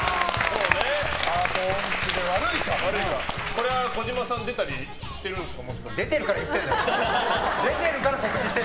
これは児嶋さんは出てたりしてるんですか？